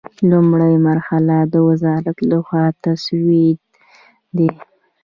لومړۍ مرحله د وزارت له خوا تسوید دی.